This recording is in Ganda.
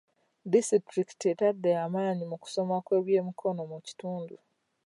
Disitulikiti etadde amaanyi mu kusoma kw'ebyemikono mu kitundu.